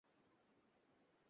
যুদ্ধ প্রায় শেষ।